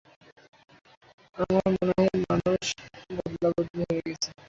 আমার মনে হয় মানুষ বদলাবদলি হয়ে গেছে।